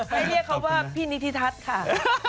ให้เรียกเขาว่าพี่นิธิทัศน์ค่ะ